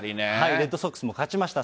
レッドソックスも勝ちました。